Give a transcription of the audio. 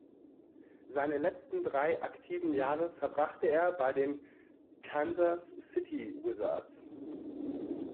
Seine letzten drei aktiven Jahre verbrachte er bei den Kansas City Wizards.